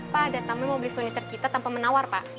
pak datangnya mau beli monitor kita tanpa menawar pak